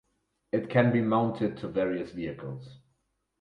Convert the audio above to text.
It can be mounted to various vehicles.